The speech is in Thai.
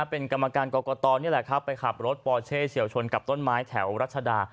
เป็นกรรมการกรกตนี่แหละครับไปขับรถปอเช่เฉียวชนกับต้นไม้แถวรัชดา